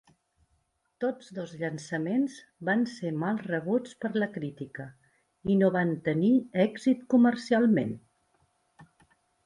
Tots dos llançaments van ser mal rebuts per la crítica i no van tenir èxit comercialment.